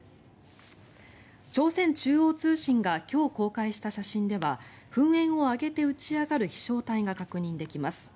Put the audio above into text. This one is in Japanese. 朝鮮中央通信が今日、公開した写真では噴煙を上げて打ち上がる飛翔体が確認できます。